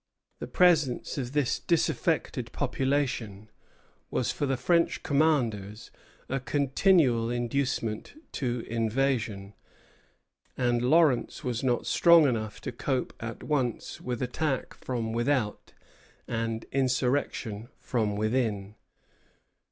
The presence of this disaffected population was for the French commanders a continual inducement to invasion; and Lawrence was not strong enough to cope at once with attack from without and insurrection from within.